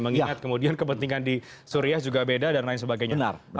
mengingat kemudian kepentingan di suriah juga beda dan lain sebagainya